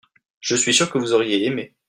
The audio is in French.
je suis sûr que vous auriez aimé.